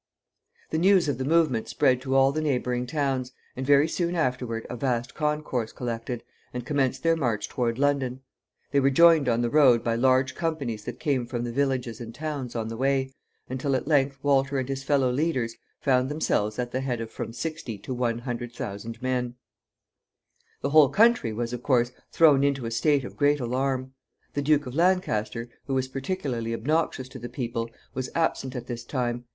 The news of the movement spread to all the neighboring towns, and very soon afterward a vast concourse collected, and commenced their march toward London. They were joined on the road by large companies that came from the villages and towns on the way, until at length Walter and his fellow leaders found themselves at the head of from sixty to one hundred thousand men. [Illustration: VIEW OF THE TOWER OF LONDON, AS SEEN FROM THE RIVER.] The whole country was, of course, thrown into a state of great alarm. The Duke of Lancaster, who was particularly obnoxious to the people, was absent at this time.